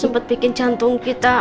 sempat bikin cantum kita